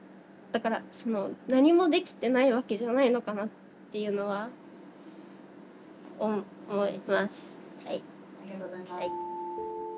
だから何もできてないわけじゃないのかなっていうのは思います。